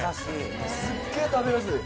すっげぇ食べやすい。